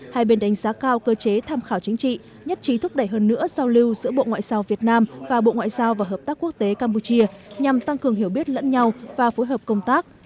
hai bên đánh giá cao cơ chế tham khảo chính trị nhất trí thúc đẩy hơn nữa giao lưu giữa bộ ngoại giao việt nam và bộ ngoại giao và hợp tác quốc tế campuchia nhằm tăng cường hiểu biết lẫn nhau và phối hợp công tác